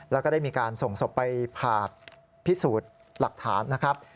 แล้วก็ได้มีการส่งศพไปผ่าพิสูจน์หลักฐานนะครับ